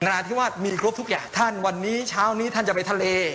ราธิวาสมีครบทุกอย่างท่านวันนี้เช้านี้ท่านจะไปทะเล